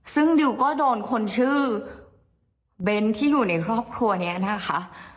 ซึ่งดิวก็โดนคนชื่อเบ้นที่อยู่ในครอบครัวนี้นะคะ